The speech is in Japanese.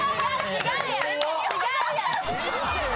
違うやん！